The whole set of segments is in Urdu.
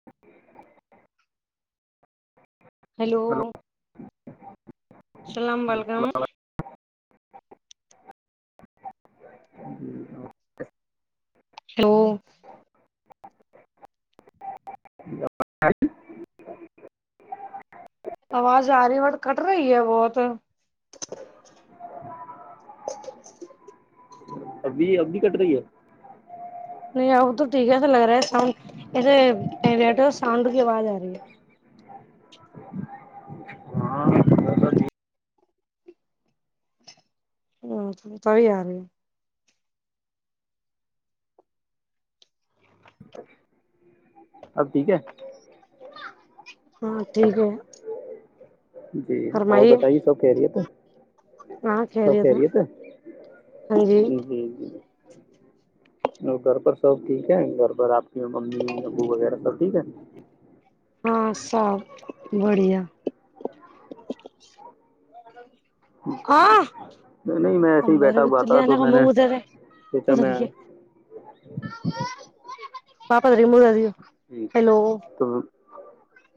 م ہیلو ہلو اللام و علیکم السلام جی تو [inaudible] آواز آ رہی ہے اور کٹ رہی ہے بہت ابھی ابھی کٹ رہی ہے نہیں آ تو ٹھیک ہےسا لگ رہا ہے سانڈ ایسے بیٹر ساؤنڈ کی آواز آ رہی ہے ہاں بہت سبھی آ رہ ہے اب ٹھیک ہے ہاں ٹھیک ہے جی اور فرمائیے بتائیے سب کہہ رہی تھ ہاں ہے خیریت جی جی گھر پر سب ٹھیک ہے گھر پر آپ کی ممی ابو وغیرہ سب ٹھیک ہے ہاں سب بڑھیا ہاں نہیں میں کب ایسے ہی بیٹھا بت ہوا نے تھا تو میں کب کدرے سوچا کدر میں کےے پاپا ترییک مو دی ہو جی تو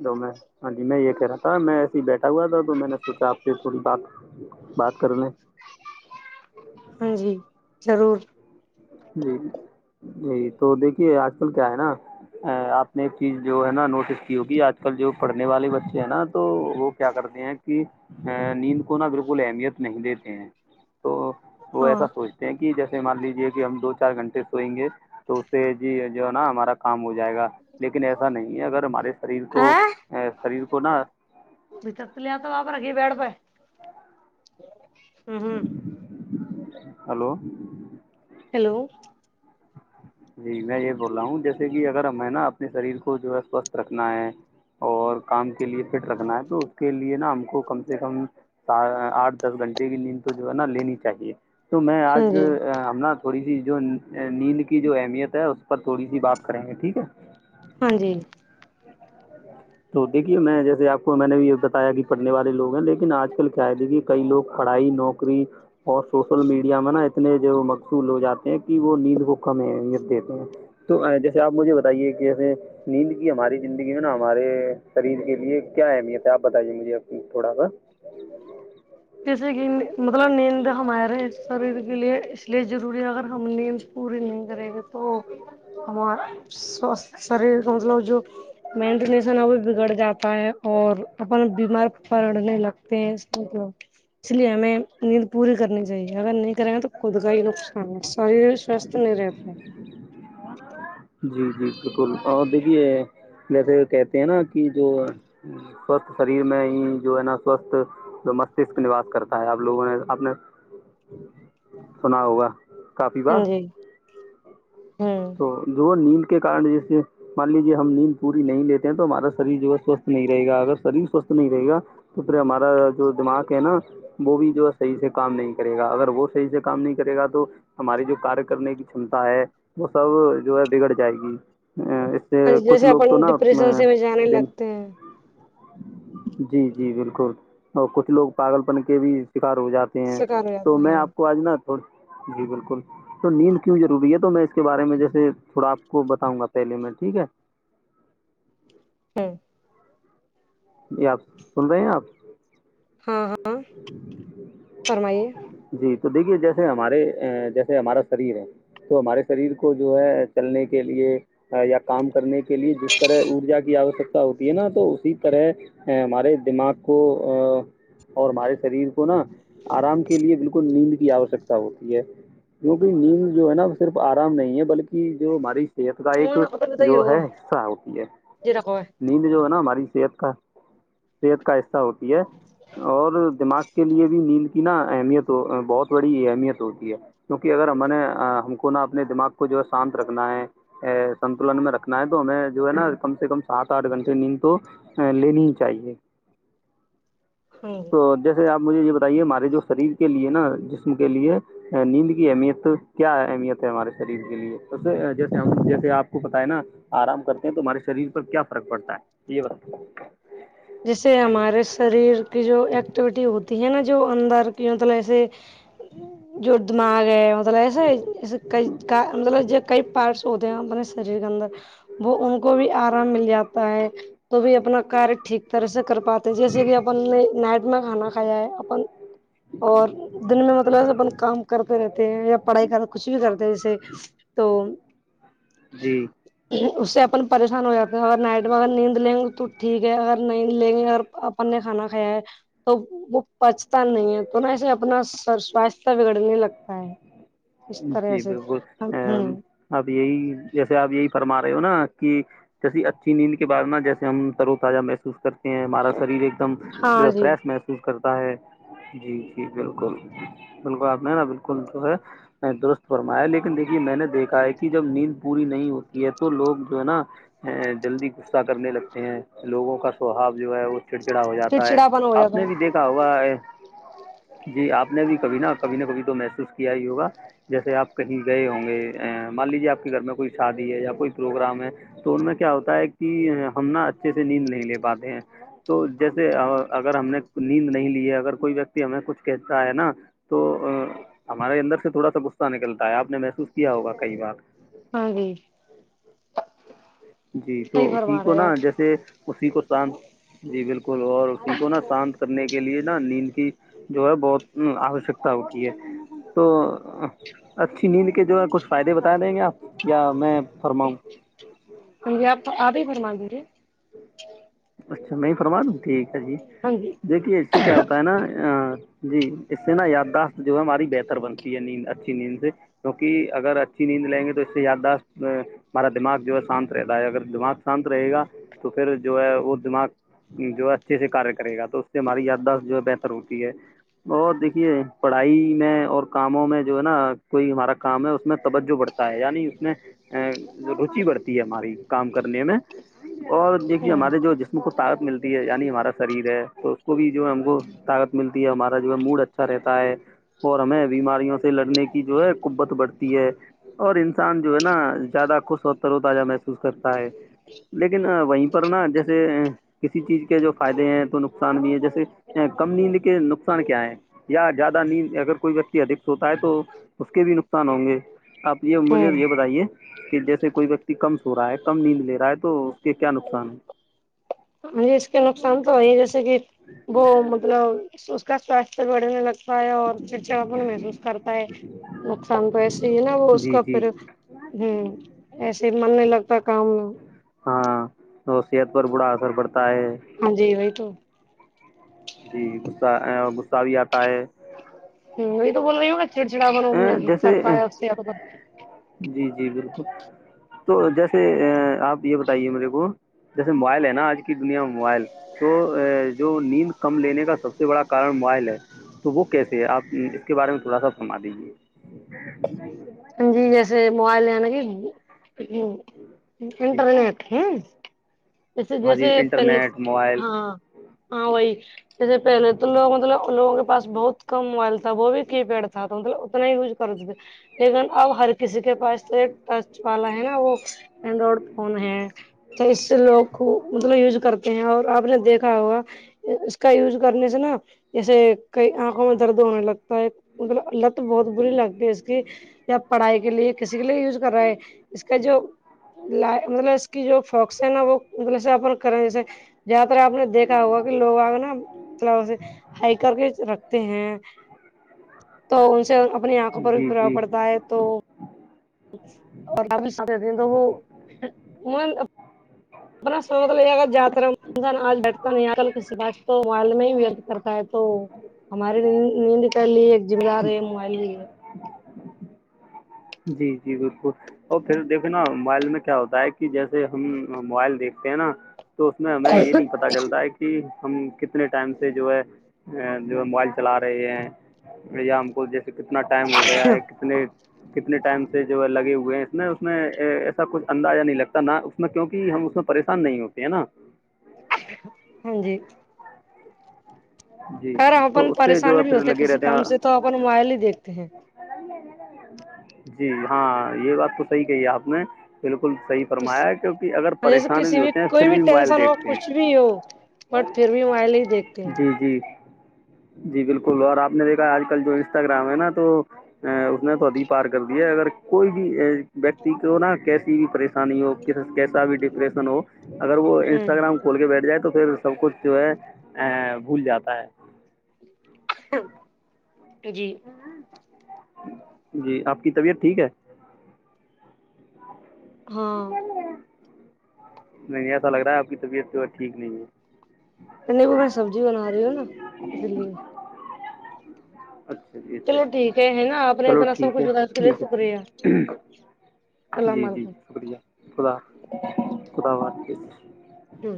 تو میں ہاں جی میں یہ کہہ رہا تھا میں ایے ہی بیٹھا ہوا تھا تو میں نے سوچا آپ سے تھوڑی بات بات کر لیں ہاں جی ضرور جی ج جی تو دیکھیے آج کل کیا ہے نا آپ نے ایک چیز جو ہے نا نوٹس کی ہوگی آج کل جو پڑھنے والے بچے ہیں نا تو وہ کیا کرتے ہیں کہ ا نیند کو نا بالکل اہمیت نہیں دیتے ہیں تو وہ ہاں ایسا سوچتے ہیں کہ جیسے مان لیجیے ہم دو چار گھنٹے سوئیں گے تو اس سے جی جو ہے نا ہمارا کام ہو جائے گا لیکن ایسا نہیں ہے اگر ہمارے شریر کو شریر کو نا بتر لے آ تو بپ رہا گی بیڈ پائے ہلو ہیلو جی میں یہ بول رہا ہوں جیسے کہ اگر ہمیں نا اپنے شریر کو جو ہے سوستھ رکھنا ہے اور کام کے لیے فٹ رکھنا ہے تو اس کے لیے نا ہم کو کم سے کم آٹھ دس گھنٹے کی نیند تو جو ہے نا لینی چاہیے تو میں ہاں آج جی ہم ن تھوڑی سی جو نیند کے کی جو اہمیت ہے اس پر تھوڑی سی بات کریں گے ٹھیک ہے ہاں جی تو دیکھیے میں جیسے آپ کو میں نے بھی یہ بتایا کہ پڑھنے والے لوگ ہیں لیکن آج کل کیا ہے دیکھیے کئی لوگ پڑھائی نوکری اور سوشل میڈیا میں نا اتنے جو مقصول ہو جاتے ہیں کہ وہ نیند کو کم دیتے ہیں تو جیسے آپ مجھے بتائیے کہ جسے نیند کی ہماری زندگی میں نا ہمارے شریر کے لیے کیا اہمیت ہے آپ بتائیے مجھے تھوڑا سا جیسے کہ مطلب نیند ہمارے شریر کے لیے اس لیے ضروری ہے اگر ہم نیند پوری نہیں کریں گے تو ہمار سوست شرییر مطلب جو مینٹ ریلیشن ا بھی بگڑ جاتا ہے اور اپن بیمار پڑنے لگ پس ملب اس لیے ہمیں نیند پوری کرنی چاہیے اگر نہیں کریں گے تو خود کا ہی نقصان شریر سواستھ نہیں رہاہی ہے ہ جی جی بالکل اور دیکھیے ویسے کہتے ہیں نا کہ جو سوستھ شریر میں ہی جو ہے نا سوستھ جو مستشک نواس کرتا ہے آپ لوگوں نے آپ نے سنا ہوگا کافی ہ بار جی ہوں تو جو نیند کے کار جیسے مان لیجیے ہم نیند پوری نہیں لیتے ہیں تو ہمارا شریر جو ہے سوستھ نہیں رہے گا اگر شریر سوستھ نہیں رہے گا کبری مر جوم آکے ن وہ بھی جو ہے صحیح سے کام نہیں کرے گا اگر وہ صحیح سے کام نہیں کرے گا تو ہماری جو کار کرنے کی چمتا ہے وہ سب جو ہے بگڑ جائے گی ا کچھ جیسے لوگ تو اپن نا اس میں ڈپریشن سے بھی جانے بن لگتے ہیں جی جی بالکل اور کچھ لوگ پاگل پن کے بھی شکار ہو جاتے سکار ہو جاتے تو میں ہیں آپ کو آج ناو جی بالکل تو نیند کیوں ج روبی ہے تو میں کے بارے میں جیسے تھوڑا آپ کو بتاؤںا پہلے میں ٹھیک ہے ہاں جی آپ سن رہے ہیں آپ ہاں ہاں فرمائیے جی تو دیکھیے جیسے ہمارے جیسے ہمارا شریر ہے تو ہمارے شریر کو جو ہے چلنے کے لیے یا کام کرنے کے لیے جس طرح ارجا کی آوشکتا ہوتی ہے نا تو اسی طرح ہمارے دماغ کو اور ہمارے شریر کو نا آرام کے لیے بالکل نیند کی آوشکتا ہوتی ہے کیونکہ نیند جو ہے نا وہ صرف آرام نہیں ہے بلکہ کی جو ہماری صحت کا وہ ایک نا تو بت ہی جو ہوگا ہے حصہ ہوتی ہے جی رکھو ہے نیند جو ہے نا ہماری صحت کا صحت کا حصہ ہوتی ہے اور دماغ کے لیے بھی نیند کی نا اہمیت ہو بہت بڑی اہمیت ہوتی ہے کیونکہ اگر ہم نے ہم کو نا اپنے دماغ کو جو ہے شانت رکھنا ہے سنتولن میں رکھنا ہے تو ہمیں جو ہے نا کم سے کم سات آٹھ گھنٹے نیند تو لینی ہی چاہیے ہوں تو جس جے آپ مجھے یہ بتائیے ہمارے جو شریر کے لیے نا جسم کے لیے نیند کی اہمیت تو کیا اہمیت ہے ہمارے شریر کے لیےے جیسے ہم جیسے آپ کو پت ہے نا آرام کرتے ہیں تمہارے شریر پر کیا فرق پڑتا ہے یہ بت جیسے ہمارے شریر کی جو ایکٹیویٹی ہوتی ہے نا جو اندر کی مطلب ایسے جی جو دماغ ہے مطلب ایسے ایسے ک مطلب کئی پارٹس ہوتے ہیں اپنے شریر کے اندر وہ ان کو بھی آرام مل جاتا ہے تو بھی اپنا کار ٹھیک طرحس کر پاتتے ہیں جیسے کہ اپ نائٹ میں کھانا کایا ہے اپ اور دن میں مطلب اپن کام کرتے رہتے ہیں یا پڑھائی کر کچھ بھی کرتے ہیں جیسے تو جی اس سے اپن پریشان ہو جاتے ہیں اگر نائٹ میں اگر نیند لیں گے تو ٹھیک ہے ا نہیں لیں گے اور اپن نے کھانا کھایا ہے تو وہ پچتا نہیں ہے تو نہا اسے اپنا سواستھ بگڑنے لگتا ہے اس طرح سے ہ اب یہی جیسے آپ یہی فرما رہے ہو نا کہ جیسی اچھی نیند کے بع نا جیسے ہم ترو تازہ محسوس کرتے ہیں ہمارا شریر ایک ایک دم جو ہاں ہے جی فریش محسوس کرتا ہے جی جی بالکل بالکل آپ نے نا بالکل جو ہے درست فرمایا لیکن دیکھیے میں نے دیکھا ہے کہ جب نیند پوری نہیں ہوتی ہے تو لوگ جو ہے نا جلدی غصہ کرنے لگتے ہیں لوگوں کا سوھاؤ جو ہے وہ چڑچڑا ہو جاتا ہے چڑچڑاپن ہو آپ جاتا نے ہے۔ بھی دیکھا ہوا جی آپ نے بھی کبھی نا کبھی نہ کبھی تو محسوس کیا ہی ہوگا جیسے آپ کہیں گئے ہوں گے ا مان لیجیے آپ کے گھر میں کوئی شادی ہے یا کوئی پروگرام ہے تو ان میں کیا ہوتا ہے کہ ہم نا اچھے سے نیند نہیں لے پاتے ہیں تو جیسے اگر ہم نے نیند نہیں لی ہے اگر کوئی ویکتی ہمیں کچھ کہتا ہے نا تو ا ہمارے اندر سے تھوڑا سا غصہ نکلتا ہے آپ نے محسوس کیا ہوگا کئی بار ہاں جی جی تو صحیح اسی فرما کو رہے ہو نا آپ جیسے اسی کو شانت جی بالکل اور اسی کو نا شانت کرنے کے لیے نا نیند جو ہے بہت آوشکتا ہوتی ہے تو اچھی نیند کے جو ہے کچھ فائدے بتا دیں گے آپ یا میں فرماؤں ہ جی آپ آپ ہی فرما دیجیے اچھا میں فرما دوں ٹھیک ہے جی ہاں جی دیکھیے اس سے کیا ہوتا ہے نا جی اس سے نا یادداشت جو ہے ہماری بہتر بنتی ہے نیند اچھی نیند سے کیونکہ اگر اچھی نیند لیں گے تو اس سے یاد دا ہمارا دماغ جو ہے شانت رہتا ہے اگر دماغ شانت رہے گا تو پھر جو ہے وہ دماغ جو اچھے سے کاریہ کرے گا تو اس سے ہماری یاداشت جو ہے بہتر ہوتی ہے بت دیکھیے پڑھائی میں اور کاموں میں جو ہے نا کوئی ہمارا کام ہے اس میں توجہ بڑھتا یعنی اس میں روچی بڑھتی ہے ہماری کام کرنے میں اور دیکھیے ہاں ہمارے جو جسم کو طاقت ملتی ہے یعنی ہمارا شریر ہے تو اس کو بھی جو ہم کو طاقت ملتی ہے ہمارا جو موڈ اچھا رہتا ہے اور ہمیں بیماریوں سے لڑنے کی جو ہے قبت بڑھتی ہے اور انسان جو ہے نا زیادہ خوش ہو ترو تازہ محسوس کرتا ہے لیکن وہیں پر نا جیسے کسی چیز کے جو فائدے ہیں تو نقصان بھی ہے جیسے کم نیند کے نقصان کیا ہے یا زیادہ نیند اگر کوئی ویکتی ادک س ہوتا ہے تو اس کے بھی نقصان ہوں گے آپ یہ عمور اور ہاں یہ بتائیے کہ جیسے کوئی ویکتی کم سو رہا ہے کم نیند لے رہا ہے تو اس کے کیا نقصان ہے ہاں ج اس کے نقصان تو ہے جیسے کہ وہ مطلب اس کا سواستھ بڑھنے لگ اور چڑچڑاپن محسوس کرتا ہے نقصان تو ایسے ہی ہے نا وہ ہیں اس جی کا جی پھر ہوں ایسے من نہیں لگتا کام ہاں نصیت پر برا اثر پڑتا ہے ہاں جی بی تو جی غصہ بھی آتا ہے ہ یہ تو بولوا ہوگا چڑ چڑا با اے، جیسے سرپا اے، تو ب جی جی بالکل تو جیسے آپ یہ بتائیے میرے کو جیسے موبائل ہے نا آج کی دنیا میں موبائل تو جو نیند کم لینے کا سب سے بڑا کارن موبائل ہے تو وہک کیسے ہے آپ اس کے بارے میں تھوڑا سا فرما دیجیے جی جیسے موبائل ن کہ جی انٹرنیٹ ہ جیسے ہاں جی جیسے پہلے انٹرنیٹ موبائل ہاں ہاں وہی جیسے پہلے تو لوگ مطلب لوگوں کے پس بہت کم موبائل تھا وہ بھی کی پیڈ تھا تو مطلب اتنا ہی یوج کر دیبے لیکن اب ہر کسی کے پاس ٹچ والا ہے نا وہ اینڈرائڈ فون ہے اس سے لوگ مطلب یوز کرتے ہیں اور آپ نے دیکھا ہوا اس کا یوز کرنے سے نا جیسے کئی آنکھوں میں درد ہونے لگتا ہے مطلب لت بہت بری لگتی ہے اس کی یا پڑھائی کے لیے کسی کے لیے یوز کر رہا ہے اس کا جو ل مطلب اس کی جو فکس ہے نا وہ مطلب کریں جیسے جیاد تر آپ نے دیکھا ہوگا کہ لوگ آ گے نا مطلب ہائ کر کے رکھتے ہیں تو ان سے اپنی آنکھوں پر بھی جی پرواہ جی پڑتا ہے تو اور س تو وہ خراب ہو رہا ہے یہ دیکھ ہمارے نیند کر لی ایک مہ دار ہے موبائل کی ہے جی جی بالکل اور پھر دیکے نا موبائل میں کیا ہوتا ہے کہ جیسے ہم موبائل دیکھتے ہیں نا تو اس میں ہمیں ہے یہ نہیں پتا پت چلتا ہے کہ ہم کتنے ٹائم سے جو ہے جو ہے موبائل چلا رہے ہیں یا ہم کو جیسے کتنا ٹائم ہو گیا ہے کتنے کتنے ٹائم سے جو ہے لگے ہوئے ہیں اس میں اس میں ایسا کچھ اندازہ نہیں لگتا نہ اس کیوںک ہم اس میں پریشان نہیں ہوتے ہیں نا ہاں جی جی اگر ہم تو اپن اس سے جو پریشانی ہے بھی پھر ہوتے لگے کسی رہتے کام سے تو ہیں اپن موبائل ہی دیکھتے ہیں جی ہاں یہ بات تو صحیح کہی ہے آپ نے بالکل صحیح فرمایا کیونکہ اگر جیسے پریشان بھی کسی ہوتے ہیں کوئی پھر بھی موبائل ٹینشن ہو دیکھتے کچھ بھی ہیں ہو بٹ پھر بھی مبائل ہی دیکھتے ہیں جی جی جی بالکل اور آپ نے دیکھا آج کل جو انسٹاگرام ہے نا تو اس نے تی پار کر دی ہے اگر کوئی بھی ویکتی کو نہ کیسی بھیش آسانی ہو کیسا بھی ڈپریسن ہو اگر وہ ہوں انسٹاگرام کھول کے بیٹھ جائے تو پھر سب کچھ جو ہے ا بھول جاتا ہے جی جی آپ کی طبیعت ٹھیک ہے ہاں نہیں ایسا لگ رہا ہے آپ کی طبیعت ٹھیک نہیں ہے کنی وہ میں سبزی بنا رہی ہو نا اس لیے اچھا اچ چلو اچ ٹھیک ہے ہے نا آپ نے چلو اتنا ٹھیک سب کچھ ہے بتایا اس کے لیے ٹھیک شکریہ ہے جی اللام جی علیکم شکریہ خدا خداافظ ہوں